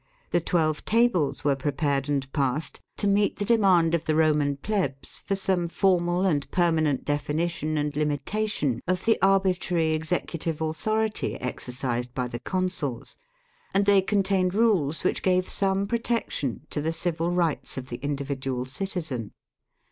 The Twelve Tables were prepared and passed to meet the demand of the Roman plebs for some formal and permanent definition and limitation of the arbitrary executive authority exer cised by the consuls, and they contained rules which gave some protection to the civil rights of the in dividual citizen.